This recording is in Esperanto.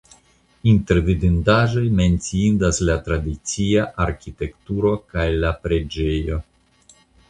Inter vidindaĵoj menciindas la tradicia arkitekturo kaj la preĝejo.